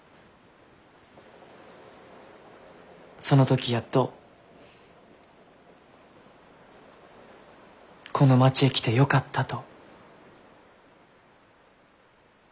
その時やっとこの町へ来てよかったと。